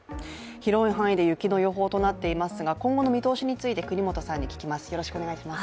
広い範囲で雪の予報となっていますが、今後の見通しについて國本さんに聞きます。